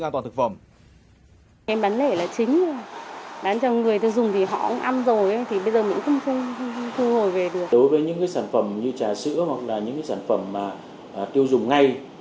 đối với những sản phẩm như trà sữa hoặc là những sản phẩm tiêu dùng ngay